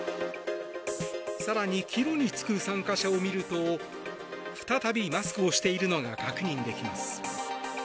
更に帰路に就く参加者を見ると再びマスクをしているのが確認できます。